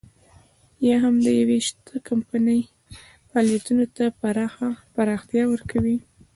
یا هم د يوې شته کمپنۍ فعالیتونو ته پراختیا ورکوي.